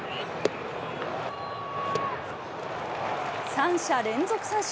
３者連続三振。